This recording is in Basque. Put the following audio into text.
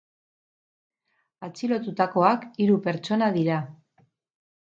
Atxilotutakoak hiru pertsona dira.